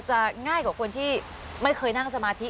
ง่ายกว่าคนที่ไม่เคยนั่งสมาธิ